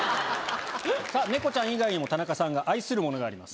猫ちゃん以外にも田中さんが愛するものがあります。